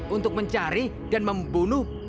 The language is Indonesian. untuk mencari dan membunuhnya